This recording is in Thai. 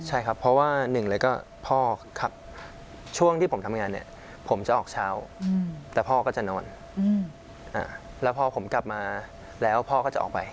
ใช่ครับเพราะว่าหนึ่งเลยก็พ่อขับช่วงที่ผมทำงานเนี่ยผมจะออกเช้าแต่พ่อก็จะนอนแล้วพอผมกลับมาแล้วพ่อก็จะออกไป